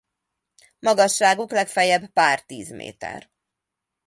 Magasságuk legfeljebb pár tíz méter.